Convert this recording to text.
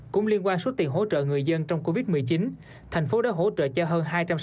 cũng liên quan số tiền hỗ trợ người dân trong covid một mươi chín thành phố đã hỗ trợ cho hơn